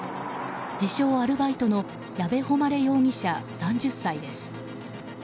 自称アルバイトの矢部誉容疑者、３０歳です。